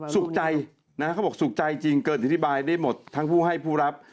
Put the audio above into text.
สุขใจนะเขาบอกสุขใจจริงเกิดอธิบายได้หมดทั้งผู้ให้ผู้รับ